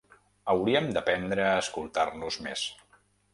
Hauríem d’aprendre a escoltar-nos més.